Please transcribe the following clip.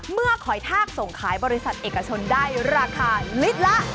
เมือกหอยทากส่งขายบริษัทเอกชนได้ราคาลิตรละ๑๕๐๐๐บาทค่ะ